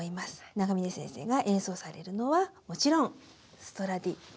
永峰先生が演奏されるのはもちろんストラディバリウスです。